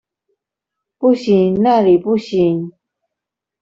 不行，那裡不行